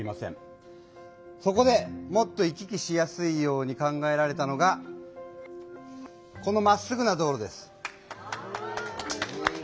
そこでもっと行き来しやすいように考えられたのがこのまっすぐな道路です。